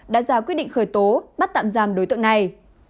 đã ra quyết định khởi tố bắt tạm giam đối tượng này